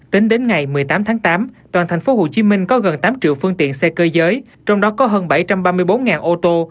tính đến ngày một mươi tám tháng tám toàn thành phố hồ chí minh có gần tám triệu phương tiện xe cơ giới trong đó có hơn bảy trăm ba mươi bốn ô tô